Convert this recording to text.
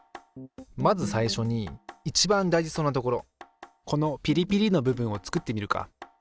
まず最初にいちばん大事そうなところこのピリピリの部分を作ってみるか。